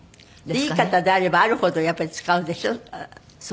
いい方であればあるほどやっぱり使うでしょう。